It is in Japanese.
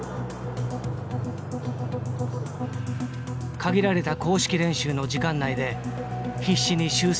限られた公式練習の時間内で必死に修正にあたる。